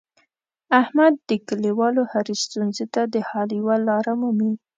احمد د کلیوالو هرې ستونزې ته د حل یوه لاره مومي.